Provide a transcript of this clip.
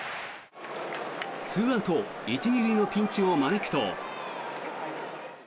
２アウト１・２塁のピンチを招くと。